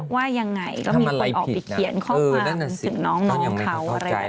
ว่ายังไงก็มีคนออกไปเขียนข้อความถึงน้องเขาอะไรอย่างนี้